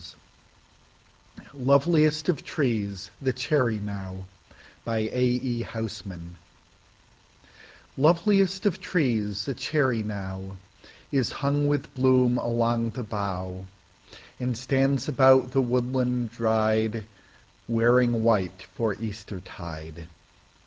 II. Loveliest of trees, the cherry now LOVELIEST of trees, the cherry nowIs hung with bloom along the bough, And stands about the woodland rideWearing white for Eastertide.